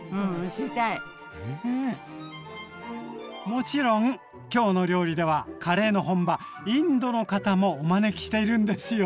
もちろん「きょうの料理」ではカレーの本場インドの方もお招きしているんですよ。